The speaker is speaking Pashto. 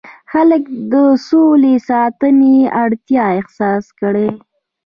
خلک د سولې ساتنې اړتیا احساس کړي.